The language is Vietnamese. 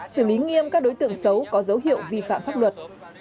xử lý nghiêm các đối tượng xấu có dấu hiệu vi phạm pháp luật